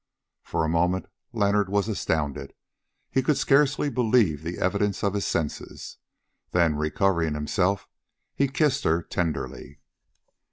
For a moment Leonard was astounded; he could scarcely believe the evidence of his senses. Then recovering himself, he kissed her tenderly.